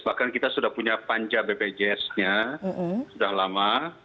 bahkan kita sudah punya panja bpjs nya sudah lama